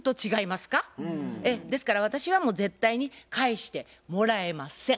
ですから私はもう絶対に返してもらえません。